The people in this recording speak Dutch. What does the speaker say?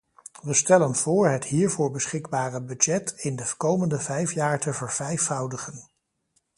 Wij stellen voor het hiervoor beschikbare budget in de komende vijf jaar te vervijfvoudigen.